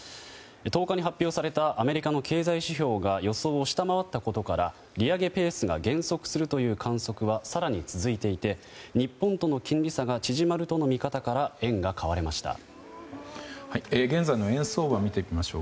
１０日に発表されたアメリカの経済指標が予想を下回ったことから利上げペースが減速するという観測は更に続いていて日本との金利差が縮まるとの見方から円が買われました。